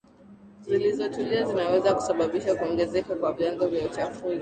zilizotulia zinaweza kusababisha kuongezeka kwa vyanzo vya uchafuzi